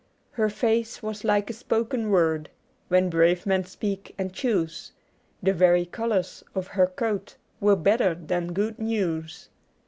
Her face was like a spoken word When brave men speak and choose, The very colours of her coat Were better than good news.